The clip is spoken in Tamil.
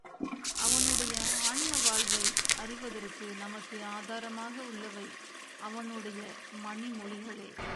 அவனுடைய ஆன்ம வாழ்வை அறிவதற்கு நமக்கு ஆதாரமாக உள்ளவை அவனுடைய மணிமொழிகளே.